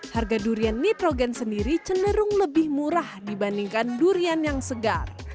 harga durian nitrogen sendiri cenderung lebih murah dibandingkan durian yang segar